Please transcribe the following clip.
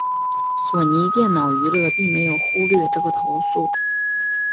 索尼电脑娱乐并没有忽略这个投诉。